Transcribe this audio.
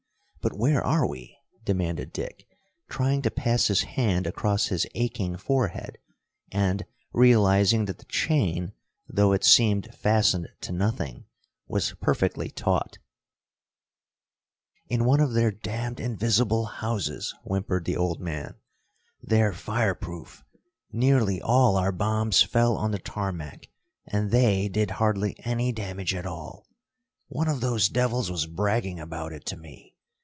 But where are we?" demanded Dick, trying to pass his hand across his aching forehead, and realizing that the chain, though it seemed fastened to nothing, was perfectly taut. "In one of their damned invisible houses," whimpered the old man. "They're fireproof. Nearly all our bombs fell on the tarmac, and they did hardly any damage at all. One of those devils was bragging about it to me.